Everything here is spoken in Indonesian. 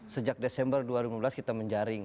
sejak desember dua ribu lima belas kita menjaring